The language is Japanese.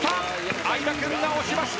相葉君が押しました。